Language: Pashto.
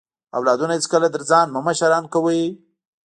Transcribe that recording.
اولادونه هیڅکله تر ځان مه مشران کوئ